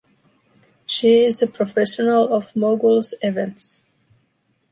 She is a professional of moguls events.